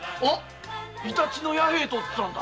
イタチの弥平とっつぁんだ。